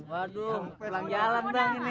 waduh pulang jalan bang ini